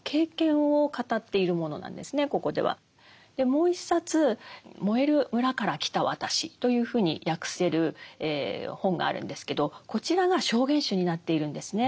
もう一冊「燃える村から来た私」というふうに訳せる本があるんですけどこちらが証言集になっているんですね。